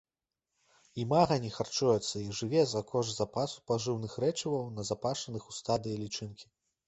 Імага не харчуецца і жыве за кошт запасу пажыўных рэчываў, назапашаных у стадыі лічынкі.